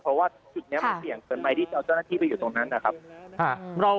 เพราะว่าจุดนี้มันเสี่ยงเกินไปที่เอาเจ้าหน้าที่ไปอยู่ตรงนั้นนะครับ